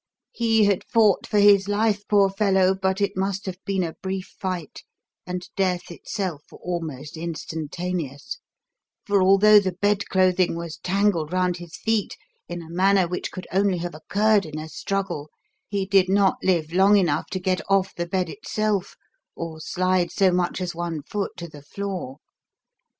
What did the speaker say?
He had fought for his life, poor fellow, but it must have been a brief fight and death itself almost instantaneous; for although the bedclothing was tangled round his feet in a manner which could only have occurred in a struggle, he did not live long enough to get off the bed itself or slide so much as one foot to the floor.